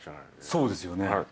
そうですよね。